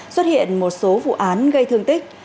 xuất hiện một số vụ án gây thương tích